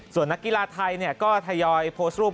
ส่วนนักกีฬาไทยก็ทยอยโพสต์รูป